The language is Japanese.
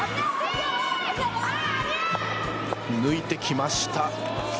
抜いてきました。